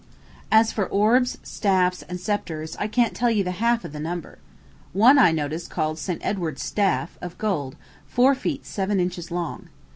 As for orbs, staffs, and sceptres, I can't tell you half the number. One I noticed called "St. Edward's Staff," of gold, four feet seven inches long.